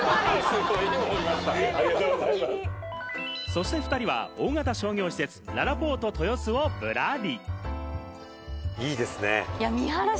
そして２人は大型商業施設・ららぽーと豊洲をぶらり。